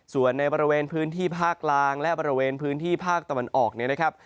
ส่วนในบริเวณพื้นที่ภาคกลางและบริเวณพื้นที่ภาคตะวันออกเนี่ยนะครับ